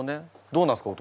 どうなんですか？